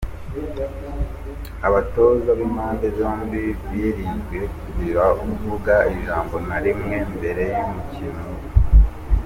Abatoza b’impande zombi birinzwe kugira uvuga ijambo na rimwe mbere y’umukino.